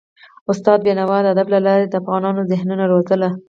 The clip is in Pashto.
استاد بينوا د ادب له لارې د افغانونو ذهنونه روزل.